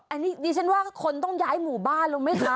อันนี้ดิฉันว่าคนต้องย้ายหมู่บ้านรู้ไหมคะ